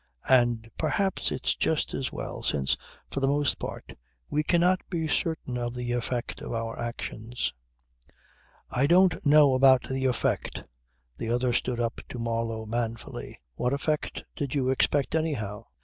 And perhaps it's just as well, since, for the most part, we cannot be certain of the effect of our actions." "I don't know about the effect," the other stood up to Marlow manfully. "What effect did you expect anyhow?